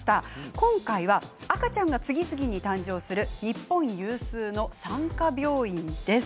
今回は赤ちゃんが次々に誕生する日本有数の産科病院です。